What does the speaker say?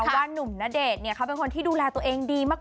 นุ่มณเดชน์เขาเป็นคนที่ดูแลตัวเองดีมาก